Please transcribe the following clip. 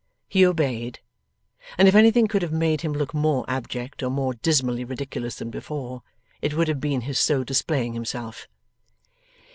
He obeyed. And if anything could have made him look more abject or more dismally ridiculous than before, it would have been his so displaying himself.